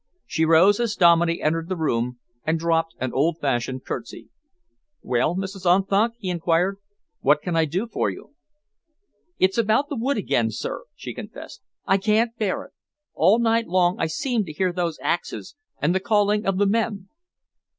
She rose as Dominey entered the room and dropped an old fashioned curtsey. "Well, Mrs. Unthank," he enquired, "what can I do for you?" "It's about the wood again, sir," she confessed. "I can't bear it. All night long I seem to hear those axes, and the calling of the men."